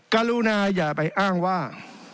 กรุณาอย่าไปอ้างว่า